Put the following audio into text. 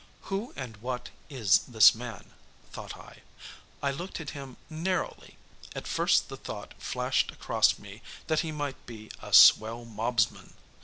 Who and what is this man? thought I. I looked at him narrowly. At first the thought flashed across me that he might be a "swell mobsman."